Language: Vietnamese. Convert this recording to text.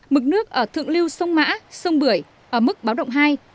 mực nước ở thượng lưu sông mã sông bưởi ở mức báo động hai